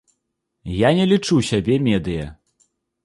Я не лічу сябе медыя.